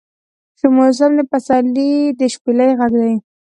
شو موسم د پسرلي د شپیلۍ غږدی